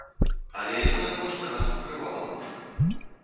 Але яна кожны раз пакрывала мужа.